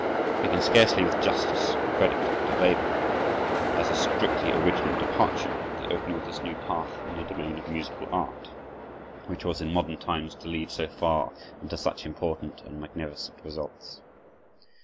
We can scarcely with justice credit to Weber, as a strictly original departure, the opening of this new path in the domain of musical art, which was in modern times to lead so far and to such important and magnificent results.